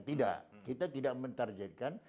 tidak kita tidak mentarjetkan